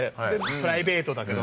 プライベートだけど。